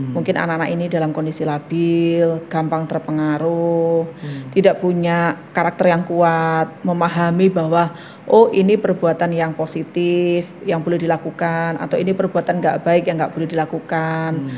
mungkin anak anak ini dalam kondisi labil gampang terpengaruh tidak punya karakter yang kuat memahami bahwa oh ini perbuatan yang positif yang perlu dilakukan atau ini perbuatan gak baik yang nggak perlu dilakukan